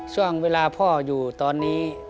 ช่วงเวลาพ่ออยู่ตอนนี้